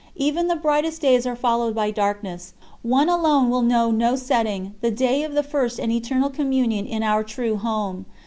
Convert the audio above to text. Even the brightest days are followed by darkness; one alone will know no setting, the day of the First and Eternal Communion in our true Home.